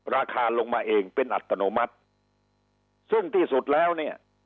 ราคาลงมาเองเป็นอัตโนมัติซึ่งที่สุดแล้วเนี่ย